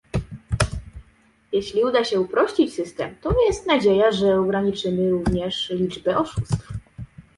Jeśli uda się uprościć system, to jest nadzieja, że ograniczymy również liczbę oszustw